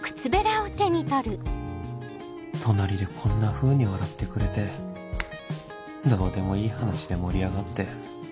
隣でこんなふうに笑ってくれてどうでもいい話で盛り上がって